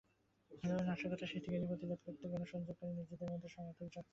তবে নাশকতা সৃষ্টিকারীদের প্রতিরোধ করতে গণসংযোগকালে নিজের সঙ্গে সমর্থকদের রাখতে হচ্ছে।